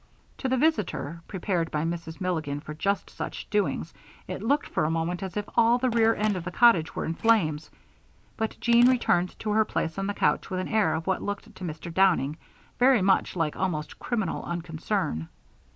To the visitor, prepared by Mrs. Milligan for just such doings, it looked for a moment as if all the rear end of the cottage were in flames; but Jean returned to her place on the couch with an air of what looked to Mr. Downing very much like almost criminal unconcern.